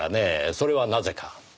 それはなぜか？